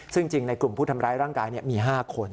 ซึ่งจริงในกลุ่มผู้ทำร้ายร่างกายมี๕คน